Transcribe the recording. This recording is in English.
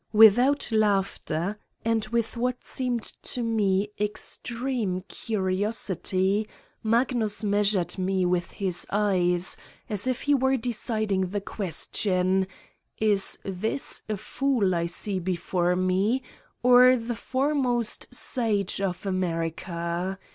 Without laughter and, with what seemed to me, extreme curiosity, Magnus measured me with his 168 Satan's Diary eyes, as if he were deciding the question : is this a fool I see before me, or the foremost sage of America?